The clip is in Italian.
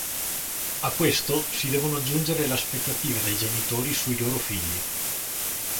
A questo si devono aggiungere le aspettative dei genitori sui loro figli.